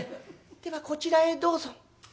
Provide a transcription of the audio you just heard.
ではこちらへどうぞ」。